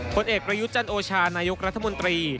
คนเอกกระยุจันโอชานายกรัฐมนตรี